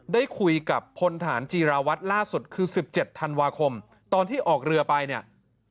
ได้คุยกับพลฐานจีราวัตรล่าสุดคือ๑๗ธันวาคมตอนที่ออกเรือไปเนี่ย